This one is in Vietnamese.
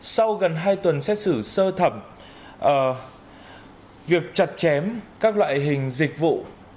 sau gần hai tuần xét xử sơ thẩm việc chặt chém các loại hình dịch vụ